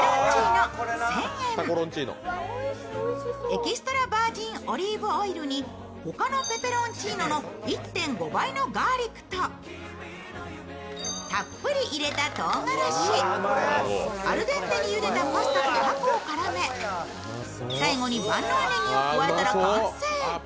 エキストラバージンオリーブオイルに他のペペロンチーノの１．５倍のガーリックとたっぷり入れたとうがらし、アルデンテにゆでたパスタとたこを絡め最後に万能ねぎを加えたら完成。